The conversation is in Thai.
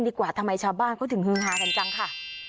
กันดีกว่าทำไมชาวบ้านเขาถึงฮึงฮากันจังค่ะ